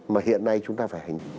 mà hiện nay chúng ta phải hành